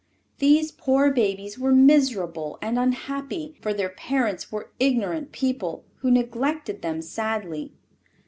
These poor babies were miserable and unhappy, for their parents were ignorant people who neglected them sadly.